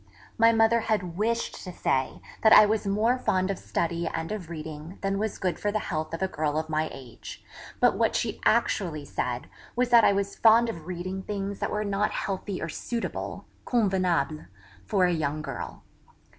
My mother had wished to say that I was more fond of study and of reading than was good for the health of a girl of my age; but what she actually said was that I was fond of reading things that were not healthy or suitable (convenable) for a young girl.